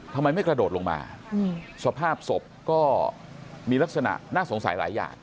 ทำไมไม่กระโดดลงมาสภาพศพก็มีลักษณะน่าสงสัยหลายอย่าง